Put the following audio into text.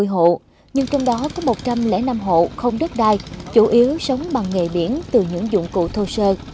ba mươi hộ nhưng trong đó có một trăm linh năm hộ không đất đai chủ yếu sống bằng nghề biển từ những dụng cụ thô sơ